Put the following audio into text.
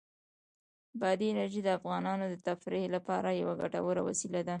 بادي انرژي د افغانانو د تفریح لپاره یوه ګټوره وسیله ده.